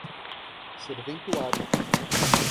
serventuário